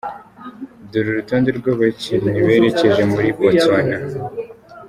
Dore urutonde rw’abakinnyi berekeje muri Botswana.